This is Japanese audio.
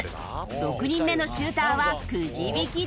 ６人目のシューターはくじ引きで！